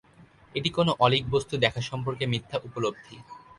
এটি কোনো অলীক বস্তু দেখা সম্পর্কে মিথ্যা উপলব্ধি।